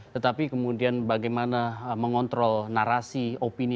tetapi kemudian bagaimana mengontrol narasi opini yang berada di dalamnya